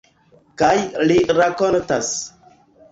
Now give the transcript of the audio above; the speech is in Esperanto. Kaj li rakontas.